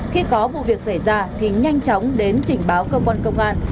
khi có vụ việc xảy ra thì nhanh chóng đến trình báo cơ quan công an